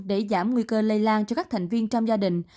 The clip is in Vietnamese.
để giảm nguy cơ lây lan cho các thành viên trong gia đình